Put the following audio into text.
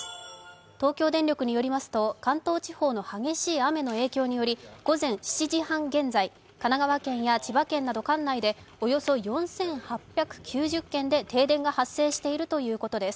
東京電力によりますと関東地方の激しい雨の影響により午前７時半現在、神奈川県千葉県の管内でおよそ４８９０軒で停電が発生しているということです。